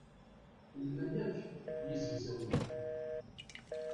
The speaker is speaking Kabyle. Lman akk yizegzawen-a.